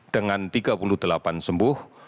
dengan tiga puluh delapan sembuh